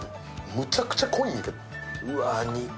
むちゃくちゃ濃いんやけど。